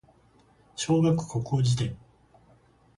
小学国語辞典